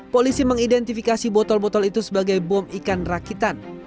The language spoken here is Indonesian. polisi mengidentifikasi botol botol itu sebagai bom ikan rakitan